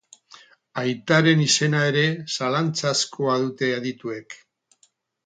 Aitaren izena ere zalantzazkoa dute adituek.